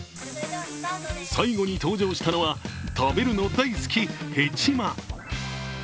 最後に登場したのは、食べるの大好き、ヘチマ。